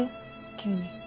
急に。